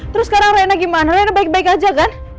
terus sekarang rina gimana rina baik baik aja kan